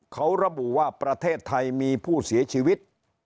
เขาระบุว่าประเทศไทยมีผู้เสียชีวิต